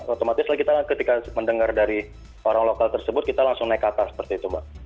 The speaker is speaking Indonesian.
otomatis lagi kita ketika mendengar dari orang lokal tersebut kita langsung naik ke atas seperti itu mbak